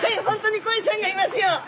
ほんとに鯉ちゃんがいますよ。